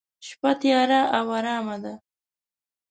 شپه تیاره او ارامه ده.